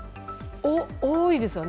多いですよね